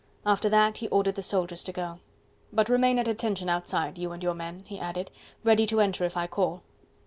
After that he ordered the soldiers to go. "But remain at attention outside, you and your men," he added, "ready to enter if I call."